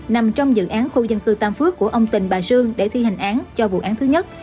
nằm trong dự án khu dân cư tam phước của ông tình bà sương để thi hành án cho vụ án thứ nhất